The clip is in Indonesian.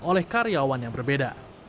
oleh karyawan yang berbeda